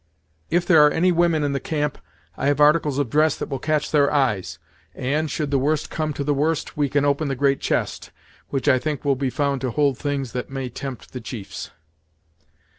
If there are any women in the camp, I have articles of dress that will catch their eyes, and, should the worst come to the worst, we can open the great chest, which I think will be found to hold things that may tempt the chiefs."